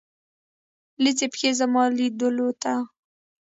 لڅي پښې زما لیدولو ته